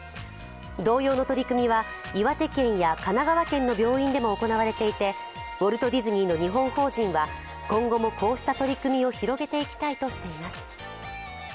同様の取り組みは岩手県や神奈川県の病院でも行われていてウォルト・ディズニーの日本法人は今後もこうした取り組みを広げていきたいとしています。